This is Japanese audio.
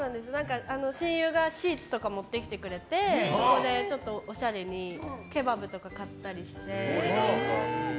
親友がシーツとか持ってきてくれてそこでちょっと、おしゃれにケバブとか買ったりして。